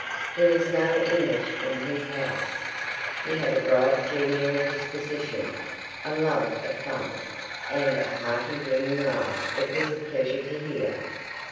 There was no English in his house. He had a bright genial disposition, a love of fun, and a hearty ringing laugh it was a pleasure to hear.